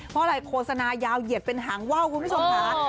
เพราะอะไรโฆษณายาวเหยียดเป็นหางว่าวคุณผู้ชมค่ะ